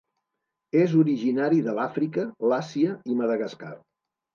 És originari de l'Àfrica, l'Àsia i Madagascar.